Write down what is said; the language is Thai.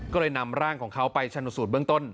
ก็เลยนำร่างของเขาไปชนสูตรเบื้องต้น